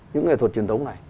những nghệ thuật truyền thống này